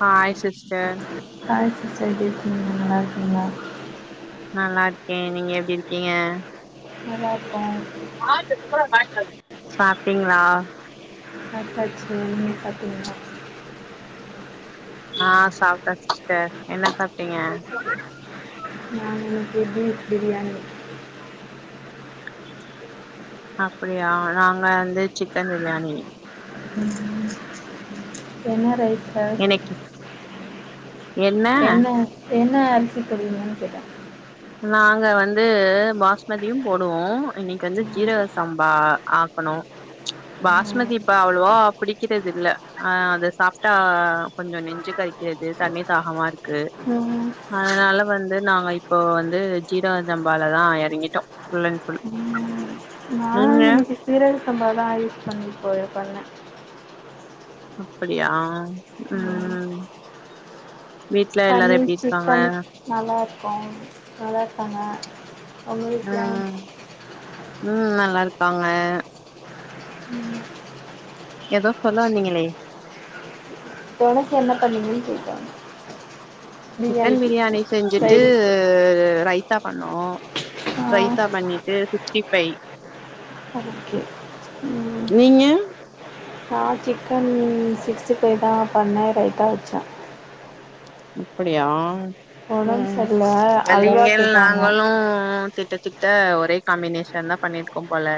Hi sister hi sister எப்டி இருக்கீங்க நல்லா இருக்கீங்ளா நல்லா இருக்கே நீங்க எப்டி இருக்கீங்க நல்லா இருக்க சாப்டிங்ளா சாப்டாச்சி நீங்க சாப்டீங்ளா அ சாப்ட்டே சிஸ்டர் என்ன சாப்ட்டீங்க நாங்க இன்னைக்கி ஃபீப் பிரியாணி அப்டியா நாங்க வந்து சிக்கன் பிரியாணி ம் என்ன ரைஸ் சார்? என்னைக்கி என்ன என்ன அரிசி போடுவிங்கன்னு கேட்டே நாங்க வந்து பாஸ்மதியு போடுவோ இன்னைக்கி வந்து சீரக சம்பா ஆக்கணு பாஸ்மதி இப்ப அவ்ளவா பிடிக்கிறது இல்ல ஆ அத சாப்ட்டா கொஞ்சோ நெஞ்சி கரை கிறது தண்ணி தாகமா இருக்கு ம், அதனால வந்து நாங்க இப்போ வந்து ஜீரக சம்பால தா எறங்கிட்டோ ஃபுல் அண்ட் ஃபுல்லா ம், நீங்க நான் சீரக சம்பா தா யூஸ் பண்ணி இபோ பண்னே அப்படியா ம் ம் வீட்டல எல்லாரு எப்டி பன்னீர் இருக்காங்க சிக்கன் நல்லா இருக்கோ அதா பண்ண ம் ம் நல்லா இருக்காங்க ம் எதோ சொல்ல வந்திங்களே [inaudible] என்ன பண்ணீங்கன் கேட்டே சிக்கன் பிரியாணி செஞ்சுட்டு இது ரைத்தா பண்ணோ ரைத்தா பண்ணிட்டு சிஸ்டி ஃபை ஓகே ம் நீங்க நா சிக்கன் சிக்ஸ்டி ஃபைவ் தா பண்ணே ரைத்தா வெச்சே அப்படியா உடம்பு ம் சரியில்லை அப்ப அல்வா நீங்கள் கேட்டாங்க நாங்களு கிட்ட தட்ட ஒரே காம்பினேஷன் தா பண்ணிருக்கோம் போல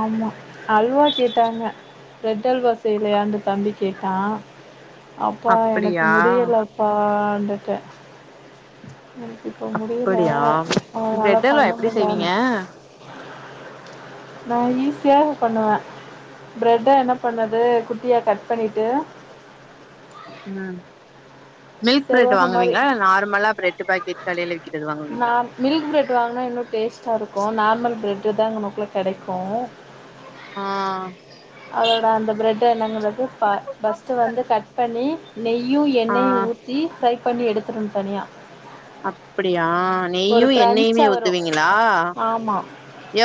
ஆமா அல்வா கேட்டாங்க பிரட் அல்வா செய்லையான்னு தம்பி கேட்டா அப்பா எனக்கு அப்படியா முடியல ப்பா வந்துட்டே எனக்கு இப்ப முடியல அப்படியா அதனால பிரெட் அல்வா பண்ண எப்டி முடில செய்வீங்க எனக் நா ஈஸியா பண்ணுவே பிரட்ட என்ன பண்ணது குட்டியா கட் பண்ணிட்டு ம் மில்க் பிரெட் செவ்வகம் மாதிரி வாங்குவீங்ளா நார்மலா பிரெட்டு பாக்கெட் கடைல விக்றது நா வாங்குவீங்ளா மில்க் ப்ரெட்டு வாங்கினா இன்னு டேஸ்ட்டா இருக்கு நார்மல் ப்ரெட்டு் தா இங்குன குள்ள கெடைக்கு ஆ அதோட அந்த பிரெட்ட என்ன பண்றது ப ஃபஸ்ட்டு வந்து கட் பண்ணி நெய்யு ஆ எண்ணெயு ஊத்தி ஃப்ரை பண்ணி எடுத்தற்னு தனியா அப்படியா ஒரு நெய்யு என்னையிமே கிரன்ச்சா வரு ஊத்துவீங்களா ஆமா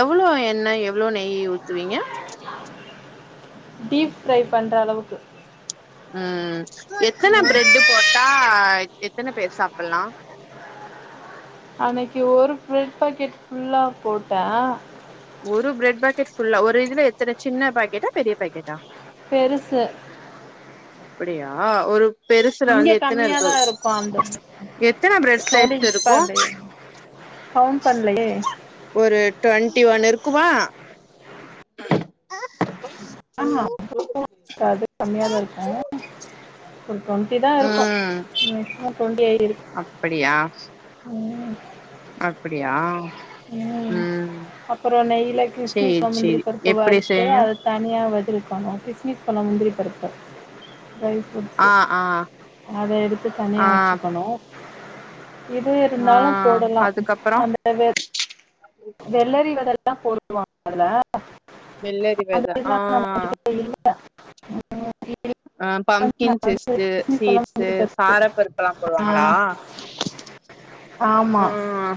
எவ்ளோ என்ன எவ்ளோ நெய் ஊத்துவீங்க டீப் ஃப்ரை பண்ற அளவுக்கு ம் எத்தன ம் பிரெட் போட்டா எத்தன பேர் சாப்பல்லா அன்னைக்கு ஒரு ப்ரெட் பாக்கெட் ஃபுல்லா போட்டே ஒரு ப்ரெட் பாக்கெட் ஃபுல்லா ஒரு இதுல எத்தனை சின்ன பாக்கெட்டா பெரிய பாக்கெட்டா பெருசு அப்படியா ஒரு பெருசுல இங்க வந்து எத்தன இருக்கு கம்மியாதா அந்த எத்தன பிரெட் ஸ்லைஸ் இருக்கு கௌன்ட் பண்லையே ஒரு டுவெண்ட்டி ஒன் இருக்குமா ஆ [inaudible] அது கம்மியாதா இருக்கு ஒரு டுவெண்ட்டி தா இருக்கு ம் மேக்சிமம் டுவெண்ட்டி [inaudible] இருக் அப்படியா ம் அப்படியா ம் அப்றோ நெய்ல கிஸ்மிஸ் சேரி [inaudible] முந்திரி சேரி பருப்பு எப்டி வறுத்து செய்யு அத தனியா வதிரிக்கணு கிஸ்மிஸ் பழோ முந்திரி பருப்பு ட்ரை ஆ ஃப்ரூட்ஸு ஆ அத எடுத்து ஆ தனியாக வெச்சுக்கணு இது ஆ இருந்தாலு போடலா அதுக்கப்றோ அந்த [inaudible] வெள்ளரி வெதெல்லா போடுவாங்க அதுல வெள்ளரி வெத ஆ [inaudible] ப அ பம்கின் நான் வந்து செஸ்ட்டு கிஸ்மிஸ் எல்லாம் சீட்ஸு முந்திரி பருப்பு. சாரப்பருப்பு எல்லா ஆ. போடுவாங்களா [unintelligible] ஆமா ம்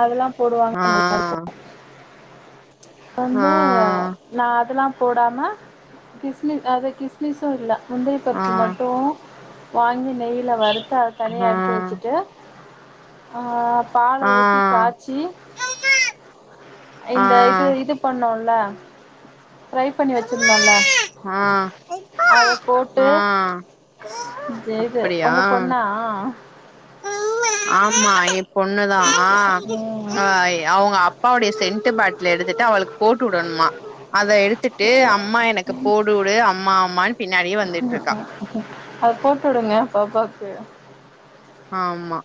அதெல்லா போடுவாங்க ஆ நல்லாருக்கு வந்து ஆ நா அதெல்லா போடாம கிஸ்மி அத கிஸ் மிசு இல்ல முந்தரி ஆ ஆ பருப்பு மட்டு வாங்கி நெய் வறுத்து அத தனியா எடுத்து வச்சுட்டு ஆஹ் பால ஊத்தி ஆ காச் சி ஆ இந்த இது இது பண்ணோல ஃப்ரை பண்ணி வச்சிருந்தோல ஆ அத போட்டு ஆ ஜேது அப்படியா உங்க பொண்ணா ஆமா எ பொண்ணுதா ஆ ம் அவங்க அப்பாவுடைய சென்ட பாட்ல எடுத்துட்டு அவளுக்கு போட்டு உடணுமா அத எடுத்துட்டு அம்மா எனக்கு போட்டுடு அம்மா அம்மான்னு பின்னாடியே வந்துட்டுருக்கா அது போட்டு விடுங்க பாப்பாக்கு ஆமா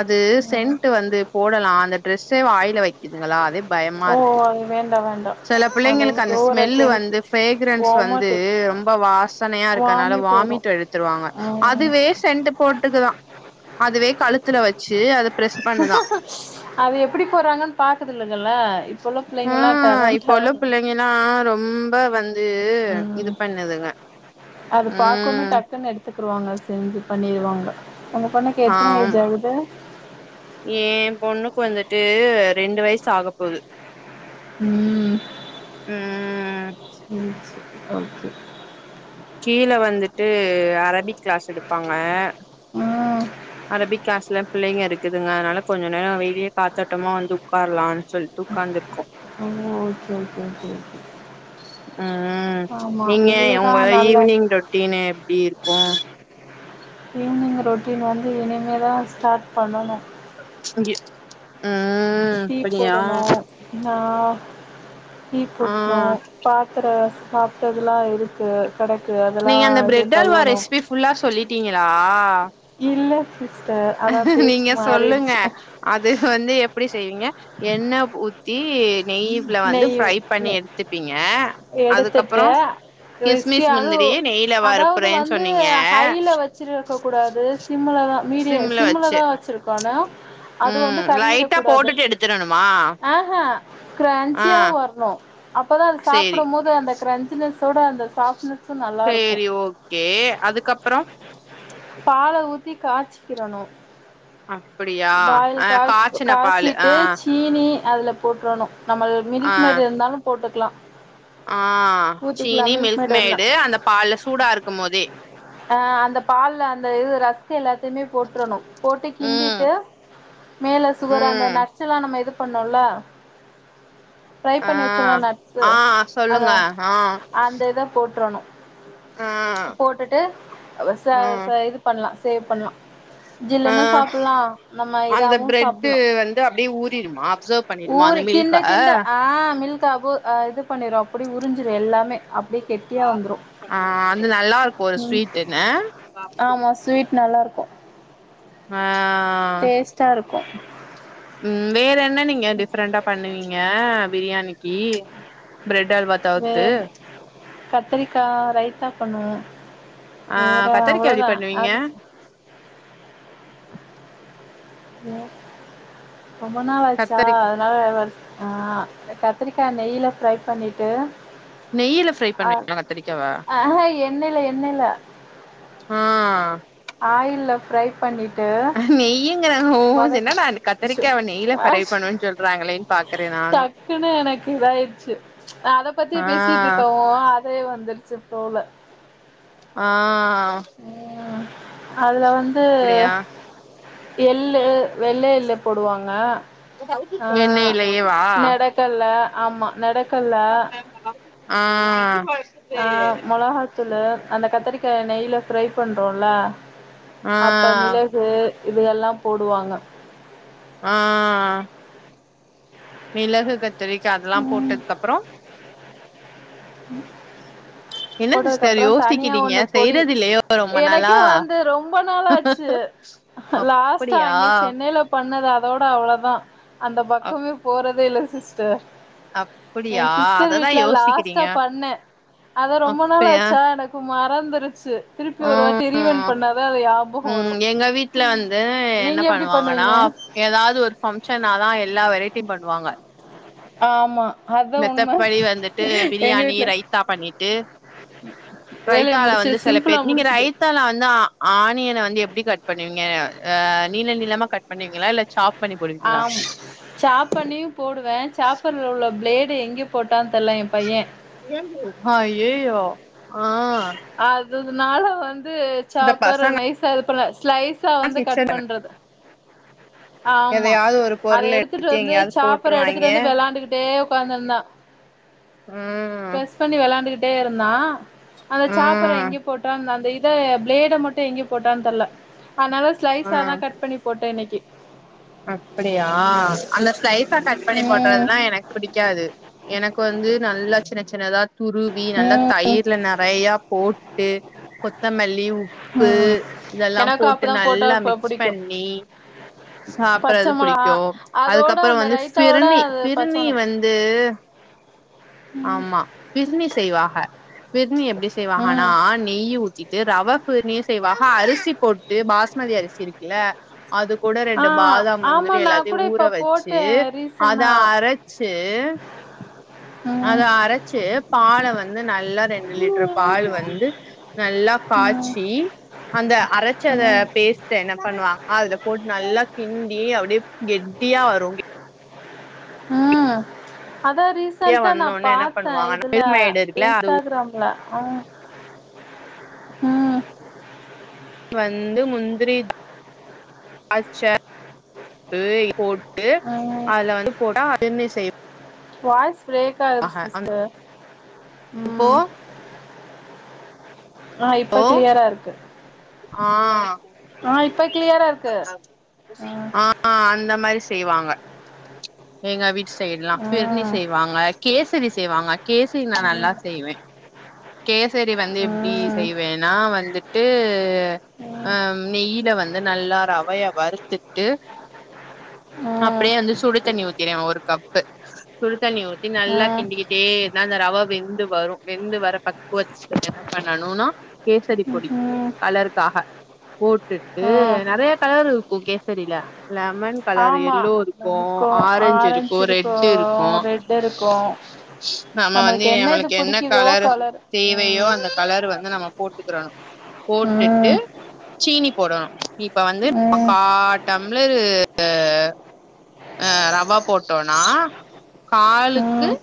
அது ம் சென்ட் வந்து போடலா அந்த ட்ரெஸ்ஸே வாயில வைக் கிதுங்களா அதே பயமா ஓ இருக்கு வேண்டா வேண்டா சில அது பிள்ளைங்களுக்கு அந்த ஓவரா ஸ்மெல்லு கெமிக் வந்து ஃப்ரேக்ரன்ஸ் வந்து வாமிட்டிங் ரொம்ப வாசனையா இருக்கனால வாமிட் எடுத்து துருவாங்க ம் அதுவே சென்ட் போட்டுக்குதா அதுவே கழுத்துல வச்சு அது அது எப்டி போறாங்கன்னு பாக்குதுங்கல்ல இப்புள்ள பிள்ளைங்கல்லா டேலண்டா ஏன்னா ரொம்ப வந்து இது ம் பண்ணுதுங்க ம் கத்துக்குடுவாங்க செஞ்சு பண்ணிருவாங்க உங்க பொண்ணுக்கு எத்தன ஏஜ் ஆமா ஆகுது ஏ பொண்ணுக்கு வந்துட்டு ரெண்டு வயசு ஆக போது ம் ம் சேரி செரி ஓகே கீழ வந்துட்டு அரபிக் கிளாஸ் எடுப்பாங்க ம் அரபிக் கிளாஸ்ல பிள்ளைங்க இருக்குதுங்க அதனால கொஞ்சோ நேரோ வெளியே காத்தோட்டமா வந்து உக்காரலா ஹ ஓகே ஓகே ஓகே ஓகே ம் ஆமா நீங்க வெளியதா உங்க நல்ல ஈவ்னிங் ரொட்டீன்னு எப்டி இருக்கு ஈவ்னிங் ரொட்டீன் வந்து இனிமே தா ஸ்டார்ட் பண்ணணு இங்க டீ போடணு நா டீ போடணு ஆ பா சாப்புற சாப்ட்டதுலா இருக்கு கடக்கு எதாவ்து நீங்க அந்த பிரெட் அல்வா ரெசிபி ஃபுல்லா சொல்லிட்டீங்களா இல்ல சிஸ்டர் அதா பேச்சு நீங்க சொல்லுங்க மாறிருச்சு அது வந்து எப்டி செய்வீங்க எண்ண ஊத் ஊத்தி நெய்ல வந்து நெய்யு ஃப்ரை பண்ணி நெய் எடுத்துப்பீங்க அதுக்கப்புறோ எடுத்துட்டு கிஸ்மிஸ் கிறிஸ்பியாலு முந்திரி நெய்ல வறுப்புறேன்னு சொன்னீங்க ச்சுல்ல இருக்க கூடாது சிம்ல தா மீடிய சிம்ல சிம்லா வச்சு தா வச்சிருக்கோனா அது வந்து ம் கறிகிட லைட்டா கூடாது போட்டுட்டு எடுத்துரணுமா ஆஹ்ஹா ஆ கரன்ச்சியா வரணு அப்போ தா அது சேரி சாப்பிடும் போது அந்த க்ரன்சினஸோட அந்த சாஃப்ட்டுனஸ் சேரி ஓகே அதுக்கப்புறோ பால ஊத்தி காச்சிக்கிறணு அப்டியா பாயில் ஆ காய்ச் காய்ச்சின பாலு ஆ காய்ச்சிட்டு சீனி அதுலா போட்டுரணு நம்மள் ஆ மில்க் மாரி இருந்தாலு போட்டுக்கலா ஆ ஊத்திக்கலா சீனி மில்க் மேட் இருந்தா மேடு அந்த பால்ல சூடா இருக்கும் போதே ஆ அந்த பால்ல அந்த இது ராஸ்க்கு எல்லாத்தையுமே போட்டுரணு போட்டு ம் கிண்டிட்டு மேலா சுகரு அந்த ம் நட்ஸ்செல்லா நம்ம இது பண்ணோல்லா ட்ரை ஆ பண்ணி வச்சோர்வோ நட்ஸ்சு ஆ சொல்லுங்க அதா ஆ அந்த இத போட்டுரணு ஆ போட்டுட்டு அ ச ஆ ச இது பண்ணலா சேவ் பண்ணலா ஆ ஜில்ன்னு சாப்புல்லா நம்ம அந்த இதாவு பிரெட்டு சாப்பல்லா வந்து அப்டியே ஊறிடுமா அப்சர்வ் பண்ணிடுமா அந்த ஊருக்கின் மில்க கிண்ட கிண்ட ஆ மில்கா போ இது பண்ணிரு அப்படி உறிஞ்சிரு எல்லாமே அப்டியே கெட்டியா வந்துரு ஆ அது நல்லாருக்கு ஒரு ம் ஸ்வீட்டுன்ன ஆமா ஸ்வீட் நல்லாருக்கு ஆ டேஸ்ட்டாருக்கு ம் வேற என்ன நீங்க டிப்ரெண்டா பண்ணுவீங்க பிரியாணிக்கி ப்ரெட்டல்வாத் வேற கத்திரிக்காய் ரைத்தா பண்ணுவோ ஆ வேற கத்தரிக்கா எப்டி அவ்ளோதா பண்ணுவீங்க இல்ல ரொம்ப நாள் ஆச்சா கத்தரிக் அதனால வர் ஆ கத்திரிக்காய் நெய்லா ஃப்ரை பண்ணிட்டு நெய்யில ஃப்ரை ஆ பண்ணுவீங்களா கத்தரிக்காவ அஹா எண்ணெய்ல எண்ணெய்ல ஆ ஆயில்ல ஃப்ரை பண்ணிட்டு நெய்யுங்க ஒ வதக்கணு என்னடா அச்சோ கத்திரிக்காவ நெய்ல ஃப்ரை அஷ் பண்ணுவான்னு சொல்றாங்களேன்னு பாக்குறே நானு டக்குன்னு எனக்கு இதாயிடுச்சு அத பத்திய ஆ பேசிட்டுருக்கவு அதே வந்துருச்சு போல ஆ அதுலா வந்து அப்டியா எள்ளு வெள்ள எள்ளு போடுவாங்க ஆ எண்ணெய்லயேவா நடக்கல்லா ஆமா நட ஆ ஆ மொளகாத்தூளு அந்த கத்திரிக்காய் நெய்ல ஃப்ரை பண்றோல்லா ஆ அப்ப மிளகு இதெல்லா போடுவாங்க ஆ மிளகு கத்திரிக்காய அதெல்லா போட்டதுக்கு அப்புறோ ம் என்ன சிஸ்டர் போட்டதுக்கப்பறோ தனியா யோசிக்கிறீங்க ஒண்ணு பொடி செய்றது இல்லையோ ரொம்ப நாளா எனக்கே வந்து ரொம்ப நாளாச்சு லாஸ்ட்டா அப்டியா அங்கே சென்னேல பண்ணது அதோட அவ்ளோதா அந்த அப் பக்கமே போறதே இல்ல சிஸ்டர் எ அப்டியா சிஸ்டர் அததா வீட்ல லாஸ்ட்டா யோசிக்கிறீங்க பண்ணே அத ரொம் பனாலாச்சா எனக்கு மறந்துருச்சு திருப்பி ஒரு ம் வாட்டி ரீவைண்ட் ம் பண்ணாதா அது ஞாபகோ வரு ம் எங்க வீட்ல வந்து என்ன நீங்க எப்டி பண்ணுவாங்கனா பண்ணுவீங்க ஏதாவுது ஒரு ஃபங்ஷன்னாதா எல்லா வெரைட்டி பண்ணுவாங்க ஆமா அதா உண்ம மெத்தப்படி வந்துட்டு எங்க பிரியாணி வீட்ல ரைத்தா பண்ணிட்டு வேலைய ரைத்தால முடிச்சு வந்து செல சிம்பிளா பேர் நீங்க முடிச்சுட்டு ரைத்தால வந்து அ ஆனியன வந்து எப்பிடி கட் பண்ணுவீங்க அ நீள நீளமா கட் பண்ணுவீங்ளா இல்ல சாப் பண்ணி போடுவீங்களா ஆம் சாப்பண்ணியு போடுவே சாப்பர்ல உள்ள ப்ளேடு எங்கே போட்டான் தெர்ல எம்பைய அய்யய்யோ அ அதுனால வந்து சாப்பரு பசங்க நைஸா இது பண்ண ஸ்லைஸா வந்து கட் கிச்சன் பண்றது ஆமா எதையாவது ஒரு அத பொருள எடுத்துட்டு எடுத்து வந்து எங்கேயாவது சாப்பற எடுத்துட்டு போட்டுருவாய்ங்க வந்து வெளாண்டுகிட்டே உக்காந்திந்தா ம் பிரஸ் பண்ணி வெளாண்டுகிட்டே இருந்தா அந்த சாப்பற ம் எங்கியோ போட் டான் அந்த இத ப்ளேட மட்டு எங்கியோ போட்டான் தெர்ல அனால ஸ்லைஸ்ஸாதா ம் கட் பண்ணி போட்டே இன்னிக்கி அப்படியா அந்த ஸ்லைஸா கட் பண்ணி போட்றது ம் னா எனக் புடிக்காது எனக்கு வந்து நல்லா சின்ன சின்னதா துரு வி நல்ல ம் தயிர்ல நெறையா போட்டு கொத்தமல்லி உப் பு ம் இதெல்லா எனக்கு போட்டு அப்டிதா போட்டா நல்லா ப மிக்ஸ் புடிக்கு பண்ணி பச்ச சாப்பறது புடிக்கு மொளகா அதோட அதுக்கப்பற அந்த வந்து ரைத்தாவோட ஃபிரிணி அது பச்ச ஃபிரிணி மொள வந்து ஆமா ஃபிர்ணி செய்வாங்க ஃபிர்ணி எப்டி செய்வாங்கனா ம் நெய்யி ஊத்தி எ ரவ ஃபிரிணியு செய்வாக அரிசி போட்டு பாஸ்மதி அரிசி இருக்கில அதுக்கூட ஆ ரெண்டு பாதா ஆமா முந்திரி நா எல்லாத்தையு கூட ஊற இப்ப வச்சு போட்டே அத ரீசனா அர ச்சு அத ம் அரச்சு பால வந்து நல்லா ரெண்டு லிட்ரு பால் வந்து நல்லா ம் காச்சி அந்த அரச்சத ம் பேஸ்ட் ட என்ன பண்ணுவாங்க அதுல போட்டு நல்லா கிண்டி அப்டியே கெட்டியா வரு ம் அதா கெட்டியா ரீசன்ட்டா நா வந்தோனே என்ன பாத்த பண்ணுவாங்கனா இதுல மில்க் மேய்டு இருக்குல அது இன்ஸ்டாக்ராம் ல ம் ம் வந்து முந்திரி திராச்ச ஏய் போட்டு ம் அதுல வந்து போட்டா அதிர்னி செய் வாய்ஸ் பிரரேக்காகுது அந்த சிஸ்டர் இப்போ ம் ன இப்ப க்ளியரா இருக் ம் இப்ப கிளியரா இருக்கு ம் ம் அ அந்த மாரி செய்வாங்க எங்க வீட்டு சைட்லா ஃபிர்னி ம் செய்வாங்க கேசரி செய்வாங்க கேசரி நா நல்லா ம் செய்வே கேசரி வந்து எப்டி செய்வேனா வந்துட்டு அ ம் நெய்யில வந்து நல்லா ரவைய வறுத்துட்டு ம் ம் அப்பிடியே வந்து சுடு தண்ணி ஊத்திருவே ஒரு கப்பு சுடுத்தண்ணி ஊத்தி நல்லா ம் கிண்டிகிட்டே இருந்தா அந்த ரவ வெந்து வரு வெந்து வர பக்குவத் [inaudible] பண்ணணுனா கேசரி பொடி ம் கலர்காக போட்டுட்டு ம் நெறைய கலர்‌ இருக் கு கேசரில லெமன் கலர் ஆமா எல்லோ இருக்கு ஆரஞ்சு இருக்கு ரெட் இருக்கு ரெட் இருக்கு நம்ம வந்து நம்மளுக்கு என்ன கலர் தேவையோ அந்த கலர் வந்து நம்ம போட்டுக்கிறணு போட்டிட்டு ம் சீனி போடணு இப்ப வந்து ம் காடம்ளரு அ ரவா போட்டோனா காளுக்கு ம்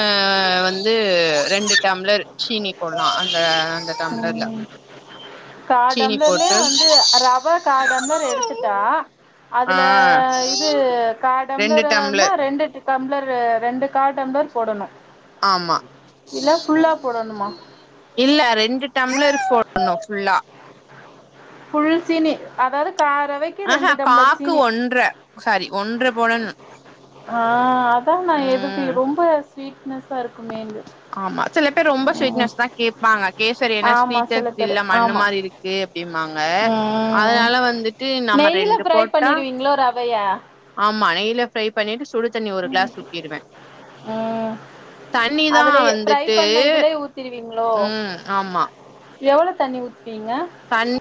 ஆ வந் து ரெண்டு டம்ளர் சீனி போட்னு அந்த அந்த டம்ளர்ல ம் கா சீனி டம்ளர்லே போட்டு வந்து ரவா காடம்ளர் எடுத்துட்டா ஆ அதுல இது கா ரெண்டு டம்ளர்ன்னா டம்ளர் ரெண்டு ட டம்ளர் வே ரெண்டு கா டம்ளர் போடணு ஆமா இல்ல ஃபுல்லா போடணுமா இல்ல ரெண்டு டம்ளர் போடணு ஃபுல்லா ஃபுல் சீனி அதாவது கா ரவைக்கு ரெண்டு டம்ளர் சீனி ன்ற சரி ஒன்று போல ஆ அதா நா எதுக்கு ம் ரொம்ப ஸ்வீட்னஸ்ஸா இருக்குமேங்கு ஆமா சில பேர் ரொம்ப ஸ்வீட்னஸ் தா கேப்பாங்க கேசரி என்ன ஆமா ஸ்வீட் சில பேரு இல்ல மண்ணு ஆமா மாரி இருக்கு டிமாங்க ம் ம் அதனால வந்துட்டு நம்ம நெய்ல ரெண்டு ஃப்ரை போட்டா பண்ணிருவீங்களோ ரவைய ஆமா நெய்யில ஃப்ரை பண்ணிட்டு சுடு தண்ணி ஒரு கிளாஸ் ஊத்திருவ ம் தண்ணிதா அதுலயே ஃப்ரை வந்துட்டு பண்ண இதுலயே அ ஆமா எவ்வளோ தண்ணி ஊத்து வீங்க சன்